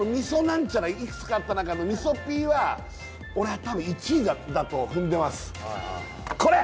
なんちゃらいくつかあった中のみそピーは俺は多分１位だと踏んでますこれ！